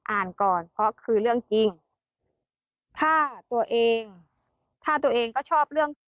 อ่านก่อนเพราะคือเรื่องจริงถ้าตัวเองถ้าตัวเองก็ชอบเรื่องตัว